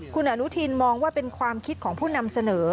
คุณอนุทินมองว่าเป็นความคิดของผู้นำเสนอ